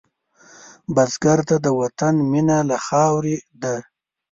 بزګر ته د وطن مینه له خاورې ده